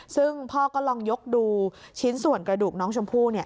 ซึ่งพ่อก็ลองยกดูชิ้นส่วนกระดูกน้องชมพู่